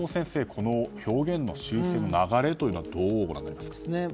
この表現の修正の流れというのはどうご覧になってますか？